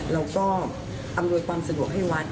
อำนวยความสะดวกให้วัด